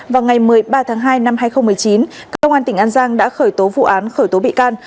vào ngày một mươi ba tháng hai năm hai nghìn một mươi chín công an tỉnh an giang đã khởi tố vụ án khởi tố bị can